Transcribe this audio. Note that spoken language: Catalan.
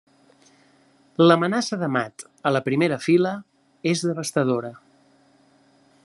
L'amenaça de mat a la primera fila és devastadora.